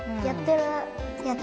やってる。